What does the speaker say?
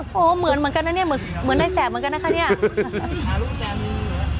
โหเหมือนเหมือนกันนะเนี่ยเหมือนในแสบเหมือนกันนะคะเนี่ย